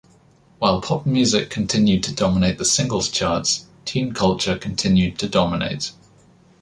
While pop music continued to dominate the singles charts, teen culture continued to dominate.